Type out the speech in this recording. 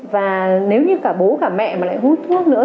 và nếu như cả bố cả mẹ mà lại hút thuốc nữa